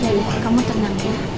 ya ya kamu tenang ya